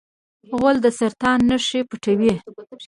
غول د سرطان نښې پټوي.